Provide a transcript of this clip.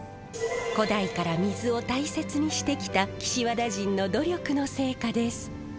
古代から水を大切にしてきた岸和田人の努力の成果です。